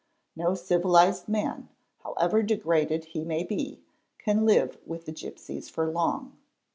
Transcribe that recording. No civilised man, however degraded he may be, can live — with the gipsies for long.